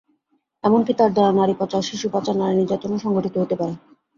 এমনকি তার দ্বারা নারী পাচার, শিশুপাচার, নারী নির্যাতন সংঘটিত হতে পারে।